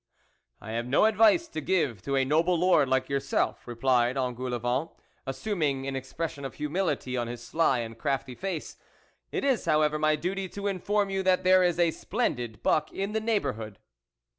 " I have no advice to give to a noble Lord like yourself," replied Engoulevent, assuming an expression of humility on his sly and crafty face ;" it is, however, my duty to inform you that there is a splendid buck in the neighbourhood."